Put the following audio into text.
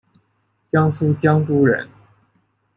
江苏江都人。